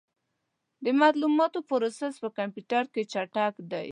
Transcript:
د معلوماتو پروسس په کمپیوټر کې چټک دی.